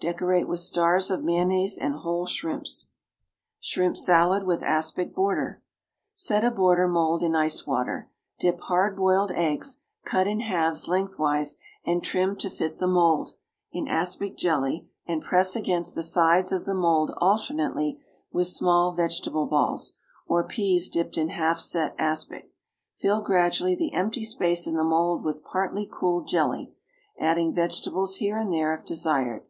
Decorate with stars of mayonnaise and whole shrimps. =Shrimp Salad with Aspic Border.= Set a border mould in ice water; dip hard boiled eggs, cut in halves lengthwise and trimmed to fit the mould, in aspic jelly, and press against the sides of the mould alternately with small vegetable balls, or peas dipped in half set aspic; fill gradually the empty space in the mould with partly cooled jelly, adding vegetables here and there if desired.